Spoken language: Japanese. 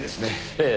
ええ。